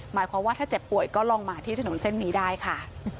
หมายความว่าถ้าเจ็บป่วยก็ลองมาที่ถนนเส้นนี้ได้ค่ะ